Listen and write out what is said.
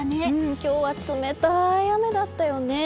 今日は冷たい雨だったよね。